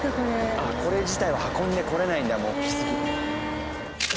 これ自体を運んでこれないんだもう大きすぎ。